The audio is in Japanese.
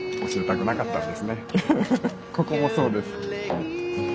ここもそうです。